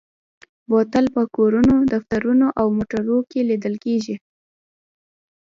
بوتل په کورونو، دفترونو او موټرو کې لیدل کېږي.